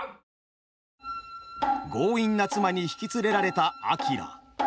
強引な妻に引き連れられたあきら。